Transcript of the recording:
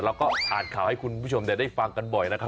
เราก็อ่านข่าวให้คุณผู้ชมได้ฟังกันบ่อยนะครับ